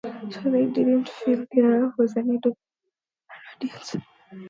So they didn't feel there was a need or an audience.